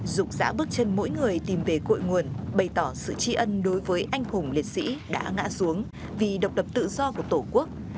rục rã bước chân mỗi người tìm về cội nguồn bày tỏ sự tri ân đối với anh hùng liệt sĩ đã ngã xuống vì độc lập tự do của tổ quốc